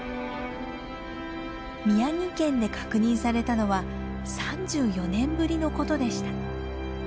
宮城県で確認されたのは３４年ぶりのことでした。